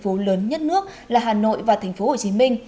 phố lớn nhất nước là hà nội và tp hcm